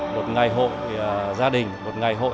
một ngày hội gia đình một ngày hội